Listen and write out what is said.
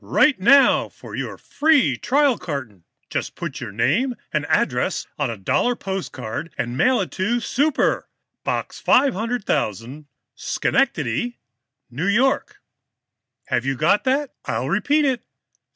"Write now for your free trial carton. Just put your name and address on a dollar postcard, and mail it to 'Super,' Box 500,000, Schenectady, N. Y. Have you got that? I'll repeat it.